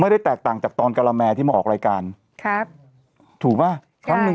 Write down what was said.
แตกต่างจากตอนกะละแมที่มาออกรายการครับถูกป่ะครั้งหนึ่ง